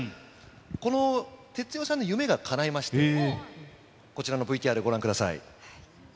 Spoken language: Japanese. この哲代さんの夢がかないまして、こちらのＶＴＲ、ご覧ください。